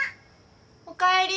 おかえり！